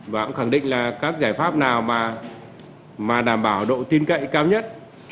và cũng khẳng định là các giải pháp nào mà đảm bảo độ tin cậy cao nhất